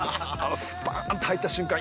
スパーンと入った瞬間